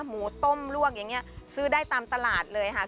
หมูต้มลวกอย่างนี้ซื้อได้ตามตลาดเลยค่ะ